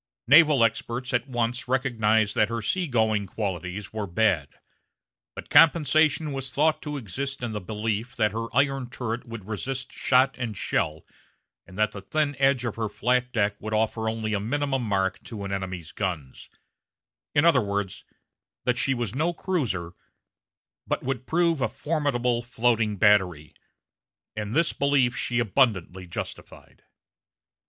Naval experts at once recognized that her sea going qualities were bad; but compensation was thought to exist in the belief that her iron turret would resist shot and shell, and that the thin edge of her flat deck would offer only a minimum mark to an enemy's guns: in other words, that she was no cruiser, but would prove a formidable floating battery; and this belief she abundantly justified.